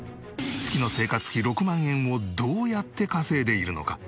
月の生活費６万円をどうやって稼いでいるのか？